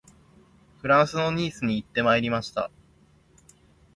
フランスのニースに行ってまいりました